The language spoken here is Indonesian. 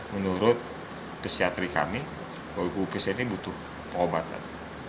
menurut psikiatri kami ibu pc ini butuh pengobatan